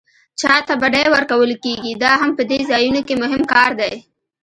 چاته بډې ورکول کېږي دا هم په دې ځایونو کې مهم کار دی.